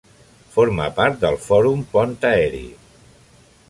Forma part del Fòrum Pont Aeri.